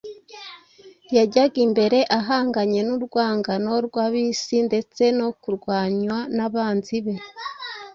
yajyaga imbere ahanganye n’urwangano rw’ab’ isi ndetse no kurwanywa n’abanzi be.